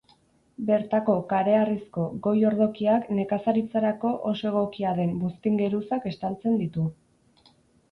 Bertako kareharrizko goi-ordokiak nekazaritzarako oso egokia den buztin-geruzak estaltzen ditu.